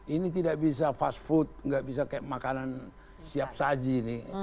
ini tidak bisa fast food nggak bisa kayak makanan siap saji ini